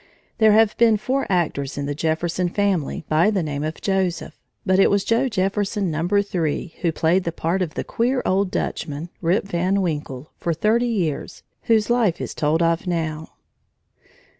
There have been four actors in the Jefferson family by the name of Joseph, but it was Joe Jefferson Number Three who played the part of the queer old Dutchman, Rip Van Winkle, for thirty years, whose life is told of now.